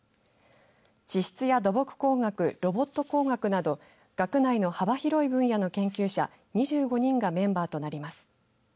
地質や土木工学ロボット工学など学内の幅広い分野の研究者２５人がメンバーとなります。